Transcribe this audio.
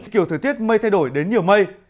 kiểu thời tiết mây thay đổi đến nhiều mây